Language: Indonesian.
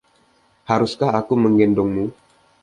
Haruskah aku menggendongmu.